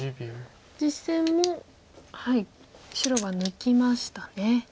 実戦も白が抜きましたね。